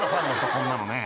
こんなのねえ